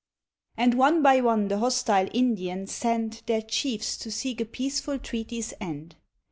And one by one the hostile Indians send Their chiefs to seek a peaceful treaty's end.